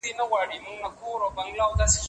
چاړه بې تېره نه وي.